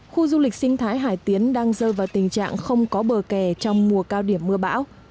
khu du lịch sinh thái hải tiến đang rơi vào tình trạng không có bờ kè trong mùa cao điểm mưa bão